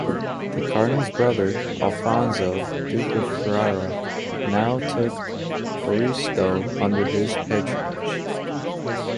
The cardinal's brother, Alfonso, duke of Ferrara, now took Ariosto under his patronage.